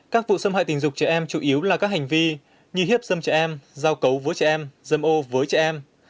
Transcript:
các vụ xâm hại tình dục cha em chủ yếu là các hành vi như hiếp dâm cha em giao cấu với cha em dâm ô với cha em